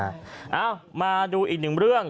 เอ้ามาดูอีกหนึ่งเรื่อง